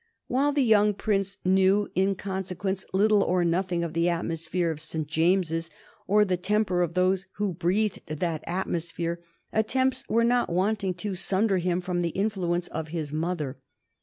While the young Prince knew, in consequence, little or nothing of the atmosphere of St. James's or the temper of those who breathed that atmosphere, attempts were not wanting to sunder him from the influence of his mother.